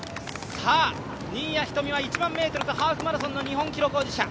新谷仁美は１００００ｍとハーフマラソンの日本記録保持者。